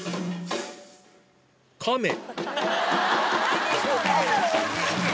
カメ